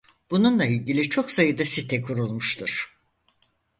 Bununla ilgili çok sayıda site kurulmuştur.